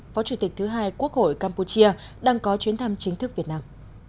phó chủ tịch thứ hai quốc hội campuchia đang có chuyến thăm chính thức việt nam